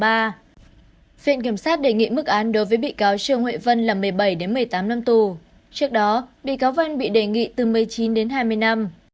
cáo trương huệ vân là một mươi bảy một mươi tám năm tù trước đó bị cáo vân bị đề nghị từ một mươi chín hai mươi năm